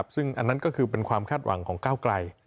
ซึ่งอันนั้นก็คือเป็นความคาดหวังของก้าวไกล